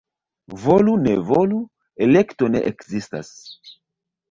Volu-ne-volu, — elekto ne ekzistas.